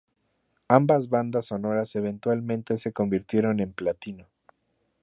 Ambas bandas sonoras eventualmente se convirtieron en platino.